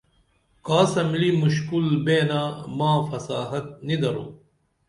کاسہ ملی مُشکُل بینہ ماں فساخت نی درو